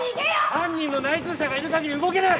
犯人の内通者がいるかぎり動けない！